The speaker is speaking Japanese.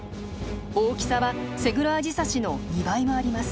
大きさはセグロアジサシの２倍もあります。